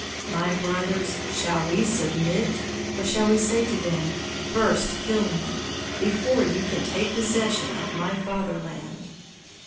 My brothers, shall we submit? or shall we say to them: 'First kill me, before you can take possession of my fatherland!